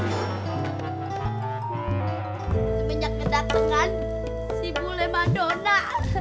sebenernya dateng kan si bule madona